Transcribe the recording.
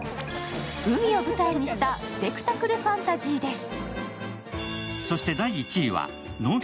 海を舞台にしたスペクタクルファンタジーです。